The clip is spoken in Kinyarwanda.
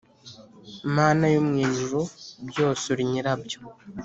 Mana yo mu ijuru byose uri nyirabyo